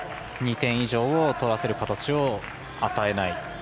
２点以上を取らせる形を与えない。